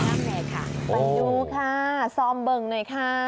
ค่ะไปดูค่ะซอมเบิ่งหน่อยค่ะ